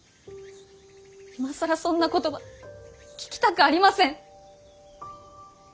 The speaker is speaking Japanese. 今更そんな言葉聞きたくありません。